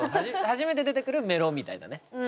初めて出てくるメロみたいなね。